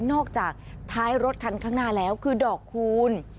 จากท้ายรถคันข้างหน้าแล้วคือดอกคูณ